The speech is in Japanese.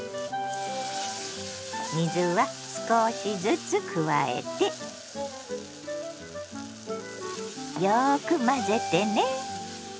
水は少しずつ加えてよく混ぜてね。